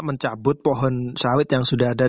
mencabut pohon sawit yang sudah ada